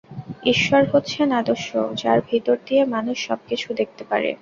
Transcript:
ঈশ্বর হচ্ছেন আদর্শ, যাঁর ভিতর দিয়ে মানুষ সব কিছু দেখতে পারে।